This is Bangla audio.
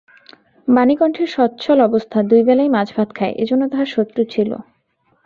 বাণীকণ্ঠের সচ্ছল অবস্থা, দুইবেলাই মাছভাত খায়, এ জন্য তাহার শত্রু ছিল।